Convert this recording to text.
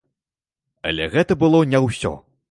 Але гэта было не ўсё.